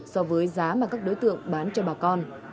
so với giá mà các đối tượng bán cho bà con